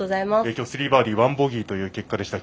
今日は３バーディー、１ボギーという結果でした。